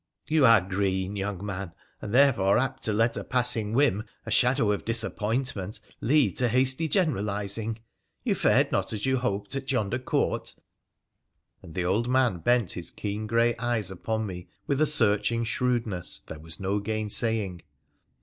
' You are green, young man, and therefore apt to let a passing whim, a shadow of disappointment, lead to hasty generalising. You fared not as you hoped at yonder Court ?' And the old man bent his keen grey eyes upon me with a searching shrewdness there was no gainsaying.